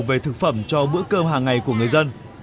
về thực phẩm cho bữa cơm hàng ngày của người dân